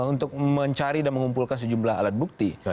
untuk mencari dan mengumpulkan sejumlah alat bukti